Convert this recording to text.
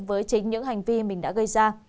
với chính những hành vi mình đã gây ra